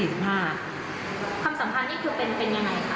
คำสัมภัยนี่คือเป็นยังไงค่ะ